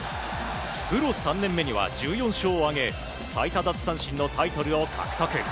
プロ３年目には１４勝を挙げ最多奪三振のタイトルを獲得。